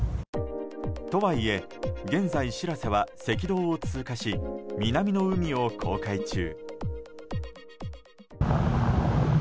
とはいえ、現在「しらせ」は赤道を通過し南の海を航海中。